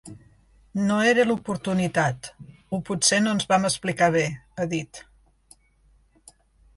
No era l’oportunitat o potser no ens vam explicar bé, ha dit.